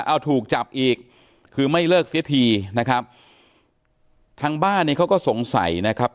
เอาถูกจับอีกคือไม่เลิกเสียทีนะครับทางบ้านเนี่ยเขาก็สงสัยนะครับ